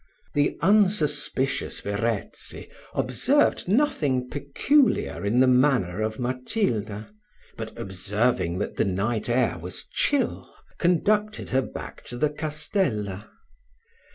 The unsuspicious Verezzi observed nothing peculiar in the manner of Matilda; but, observing that the night air was chill, conducted her back to the castella.